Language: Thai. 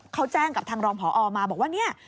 เขาแจ้งกับทางรองพอออกมาบอกว่า